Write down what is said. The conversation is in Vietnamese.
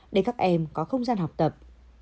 để các em có không gian học tập